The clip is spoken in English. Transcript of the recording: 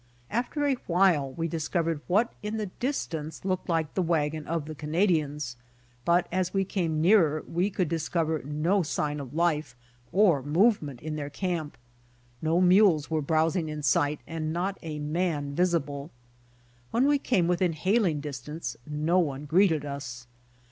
After a while we discovered what in the distance looked like the wagon of the Canadians, but as we came nearer we could discover no sign of life or movement in their camp. No mules were browsing in sight and not a man visible. When we came within hailing distance no one greeted us.